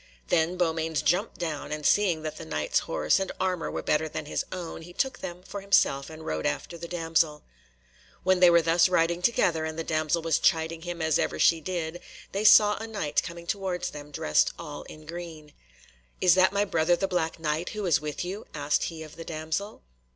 Then Beaumains jumped down, and seeing that the Knight's horse and armour were better than his own, he took them for himself and rode after the damsel. While they were thus riding together, and the damsel was chiding him as ever she did, they saw a Knight coming towards them dressed all in green. "Is that my brother the Black Knight who is with you?" asked he of the damsel.